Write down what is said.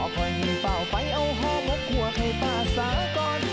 อยากสิ้นให้ขึ้นป่อพ่อหินป่าวไปเอาห้ามกหัวกให้ป่าสะกอด